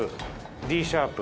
Ｄシャープ。